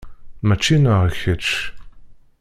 Mačči nneɣ kečč.